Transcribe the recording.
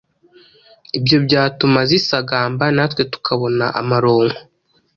Ibyo byatuma zisagamba natwe tukabona amaronko..